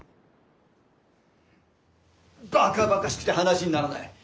バカバカしくて話にならない。